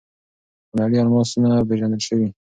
خونړي الماسونه پېژندل شوي.